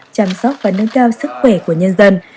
chăm sóc và nâng cao sức khỏe của nhân dân